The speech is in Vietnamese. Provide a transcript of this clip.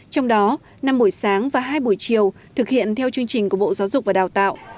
trong đó năm buổi sáng và hai buổi chiều thực hiện theo chương trình của bộ giáo dục và đào tạo